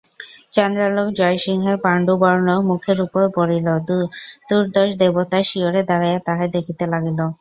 চন্দ্রালোক জয়সিংহের পাণ্ডুবর্ণ মুখের উপর পড়িল, চতুর্দশ দেবতা শিয়রে দাঁড়াইয়া তাহাই দেখিতে লাগিল।